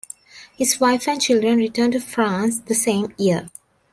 His wife and children returned to France the same year.